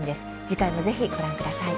次回もぜひご覧ください。